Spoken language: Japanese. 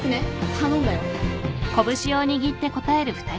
頼んだよ。